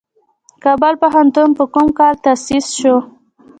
کابل پوهنتون په کوم کال تاسیس شو؟